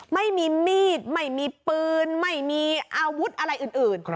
ไม่มีมีดไม่มีปืนไม่มีอาวุธอะไรอื่น